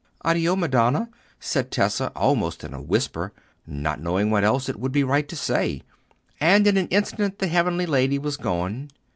"Addio, Madonna," said Tessa, almost in a whisper, not knowing what else it would be right to say; and in an instant the heavenly lady was gone.